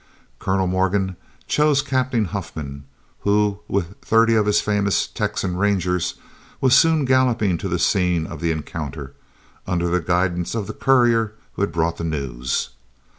Colonel Morgan chose Captain Huffman, who, with thirty of his famous Texan rangers, was soon galloping to the scene of the encounter, under the guidance of the courier who had brought the news.